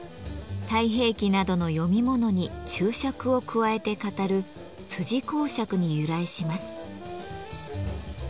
「太平記」などの読み物に注釈を加えて語る「講釈」に由来します。